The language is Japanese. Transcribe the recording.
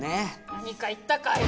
何か言ったかい？